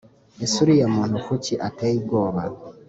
Ese uriya muntu kuki ateye ubwoba